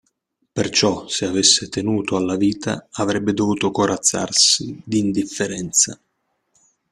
Perciò, se avesse tenuto alla vita, avrebbe dovuto corazzarsi d'indifferenza.